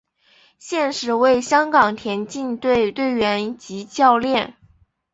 现时为香港田径队队员及教练。